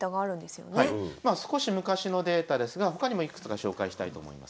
まあ少し昔のデータですが他にもいくつか紹介したいと思います。